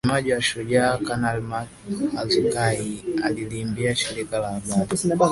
Msemaji wa Shujaa Kanali Mak Hazukay aliliambia shirika la habari